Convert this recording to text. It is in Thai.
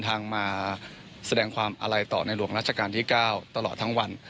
ทางมาแสดงความอาลัยต่อในหลวงราชการที่๙ตลอดทั้งวัน